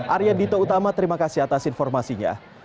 arya dito utama terima kasih atas informasinya